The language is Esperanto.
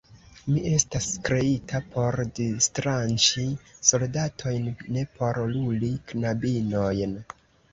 Mi estas kreita por distranĉi soldatojn, ne por luli knabinojn.